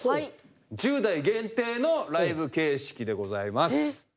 １０代限定のライブ形式でございます。